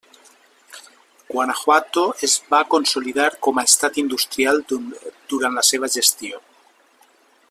Guanajuato es va consolidar com a estat industrial durant la seva gestió.